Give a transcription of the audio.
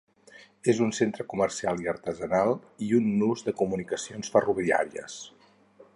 És un centre comercial i artesanal i un nus de comunicacions ferroviàries.